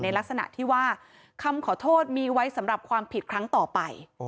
ลักษณะที่ว่าคำขอโทษมีไว้สำหรับความผิดครั้งต่อไป